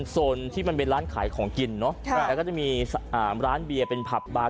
โซนที่มันเป็นร้านขายของกินเนอะแล้วก็จะมีร้านเบียร์เป็นผับบาร์